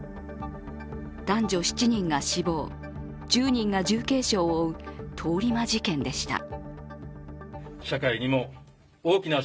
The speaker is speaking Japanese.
男女７人が死亡、１０人が重軽傷を負う通り魔事件でした。